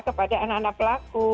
kepada anak anak pelaku